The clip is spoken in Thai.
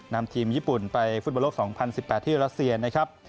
นำทีมญี่ปุ่นไปฟุตบอลโลก๒๐๑๘ที่รัสเซียนะครับ